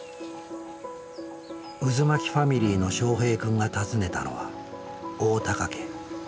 うずまきファミリーのしょうへい君が訪ねたのは大高家。